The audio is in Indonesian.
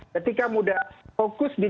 ketika muda fokus di